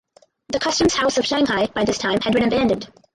The Customs House of Shanghai by this time had been abandoned.